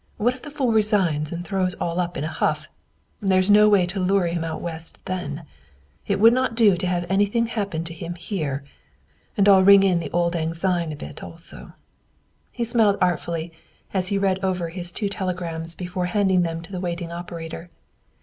What if the fool resigns and throws all up in a huff? There is no way to lure him out West then. It would not do to have anything happen to him here. And I'll ring in the Auld Lang Syne a bit, also." He smiled artfully as he read over his two telegrams before handing them to the waiting operator.